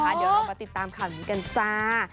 เดี๋ยวเรามาติดตามข่าวนี้กันจ้า